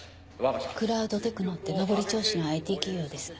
クラウドテクノって昇り調子のＩＴ企業です。